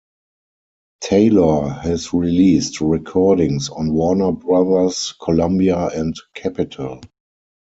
Taylor has released recordings on Warner Brothers, Columbia, and Capitol.